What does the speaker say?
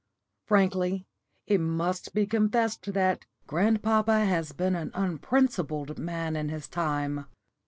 Frankly it must be confessed that grandpapa has been an unprincipled man in his time.